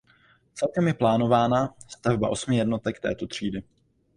Celkem je plánována stavba osmi jednotek této třídy.